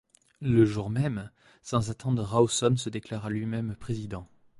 Le jour même, sans attendre, Rawson se déclara lui-même président.